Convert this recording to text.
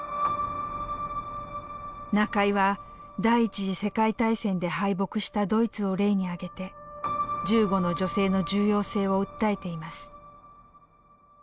中井は第一次世界大戦で敗北したドイツを例に挙げて銃後の女性の重要性を訴えています。